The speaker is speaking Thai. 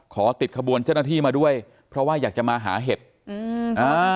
ขอติดขบวนเจ้าหน้าที่มาด้วยเพราะว่าอยากจะมาหาเห็ดอืมอ่า